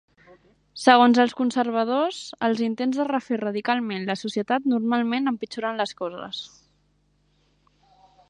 Segons els conservadors, els intents de refer radicalment la societat normalment empitjoren les coses.